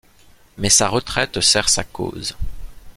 Mais sa retraite sert sa cause.